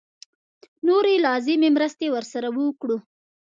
نورې لازمې مرستې ورسره وکړو.